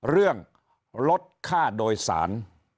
เรื่องลดค่าโดยสาร